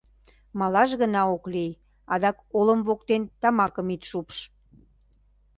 Малаш гына ок лий, адак олым воктен тамакым ит шупш.